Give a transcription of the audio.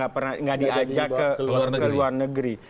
tidak diajak ke luar negeri